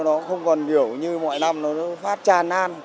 nó không còn kiểu như mọi năm nó phát tràn nan